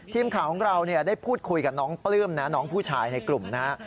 ทีมข่าวของเราได้พูดคุยกับน้องปลื้มนะน้องผู้ชายในกลุ่มนะฮะ